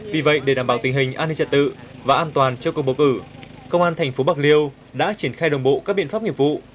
vì vậy để đảm bảo tình hình an ninh trật tự và an toàn cho cuộc bầu cử công an thành phố bạc liêu đã triển khai đồng bộ các biện pháp nghiệp vụ